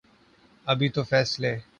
ابھی تو فیصلے